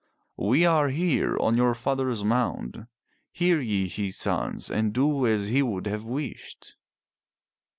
We are here on your father's mound. Hear ye, his sons, and do as he would have wished."